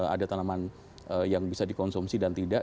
ada tanaman yang bisa dikonsumsi dan tidak